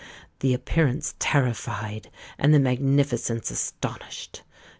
The appearance terrified, and the magnificence astonished.